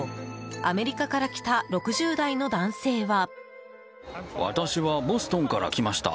アメリカから来た６０代の男性は。